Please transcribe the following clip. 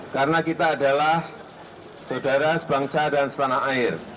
karena kita adalah saudara sebangsa dan setanah air